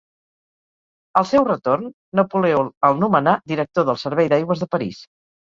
Al seu retorn, Napoleó el nomena director del servei d'aigües de París.